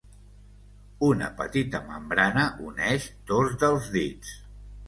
Una petita membrana uneix dos dels dits.